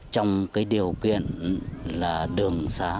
trong điều kiện là đường xa